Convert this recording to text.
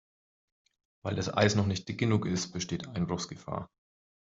Weil das Eis noch nicht dick genug ist, besteht Einbruchsgefahr.